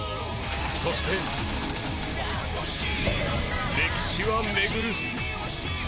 そして、歴史は巡る。